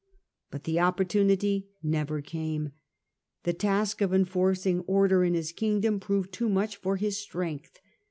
But the opportunity never came. The task of enforcing order in his kingdom proved too much for his strength.